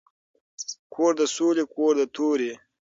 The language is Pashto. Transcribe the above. کور د ســــولي کـــــور د تَُوري